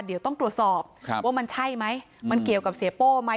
เดี๋ยวต้องตรวจสอบว่ามันใช่ไหมมันเกี่ยวกับเสียโป้ไหม